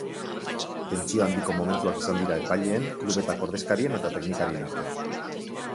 Tentsio handiko momentuak izan dira epaileen, klubetako ordezkarien eta teknikarien artean.